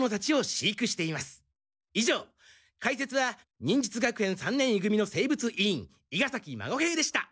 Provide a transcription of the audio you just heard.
以上解説は忍術学園三年い組の生物委員伊賀崎孫兵でした。